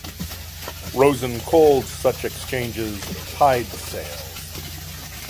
Rosen called such exchanges tied-sales.